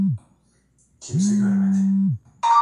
Kimse görmedi.